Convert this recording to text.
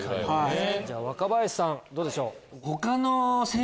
若林さんどうでしょう？